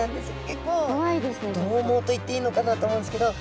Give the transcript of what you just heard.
結構どうもうといっていいのかなと思うんですけど。